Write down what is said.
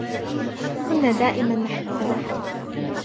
كنا دائما نحتقره.